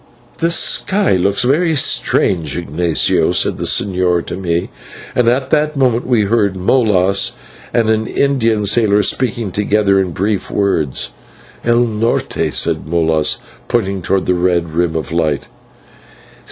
"The sky looks very strange, Ignatio," said the señor to me, and at that moment we heard Molas and an Indian sailor speaking together in brief words. "/El Norte/,' said Moras, pointing towards the red rim of light.